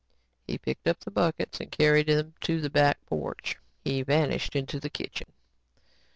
He picked up the buckets and carried them to the back porch. He vanished into the kitchen.